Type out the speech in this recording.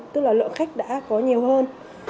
tức là lượng khách đã có nhiều hơn